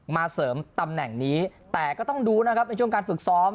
มาเสริมตำแหน่งนี้แต่ก็ต้องดูนะครับในช่วงการฝึกซ้อม